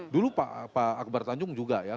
dulu pak akbar tanjung juga ya